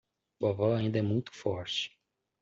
Vovó ainda é muito forte